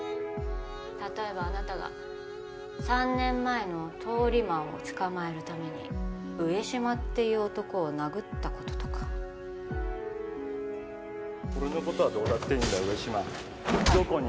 例えばあなたが３年前の通り魔を捕まえるために上島っていう男を殴ったこととか俺のことはどうだっていいんだ上島